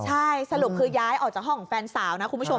ใช่สรุปคือย้ายออกจากห้องของแฟนสาวนะคุณผู้ชม